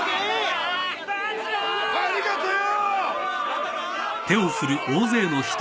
ありがとう！